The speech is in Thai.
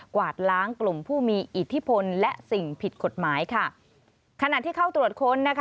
วาดล้างกลุ่มผู้มีอิทธิพลและสิ่งผิดกฎหมายค่ะขณะที่เข้าตรวจค้นนะคะ